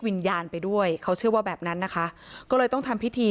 วิญญาณไปด้วยเขาเชื่อว่าแบบนั้นนะคะก็เลยต้องทำพิธี